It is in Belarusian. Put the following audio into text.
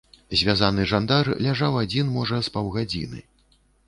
Звязаны жандар ляжаў адзін, можа, з паўгадзіны.